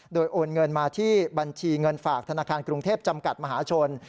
โดยโอนเงินมาที่บัญชีเงินฝากธนาคารกรุงเทพจำกัดมหาชน